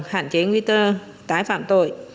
hạn chế nguy tơ tái phạm tội